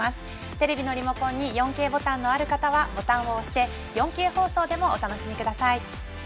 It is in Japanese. テレビのリモコンに４Ｋボタンのある方はボタンを押して４Ｋ放送でもお楽しみください。